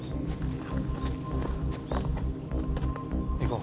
行こう。